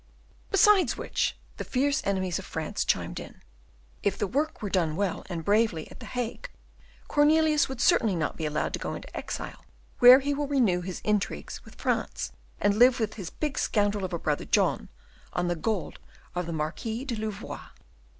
"Besides which," the fierce enemies of France chimed in, "if the work were done well and bravely at the Hague, Cornelius would certainly not be allowed to go into exile, where he will renew his intrigues with France, and live with his big scoundrel of a brother, John, on the gold of the Marquis de Louvois."